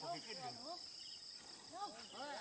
เวียนหัวไม่มาหรอกลูกไม่มาหรอก